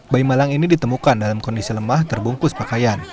bayi malang ini ditemukan dalam kondisi lemah terbungkus pakaian